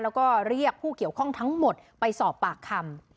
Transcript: แล้วก็เรียกผู้เกี่ยวข้องทั้งหมดไปสอบปากคำ